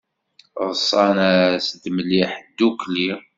Ḍsan-as-d mliḥ ddukkli.